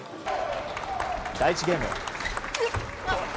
第１ゲーム。